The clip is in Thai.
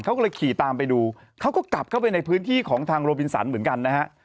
เขาก็เลยขี่ตามไปดูเขาก็กลับเข้าไปในพื้นที่ของทางโรบินสันเหมือนกันนะฮะ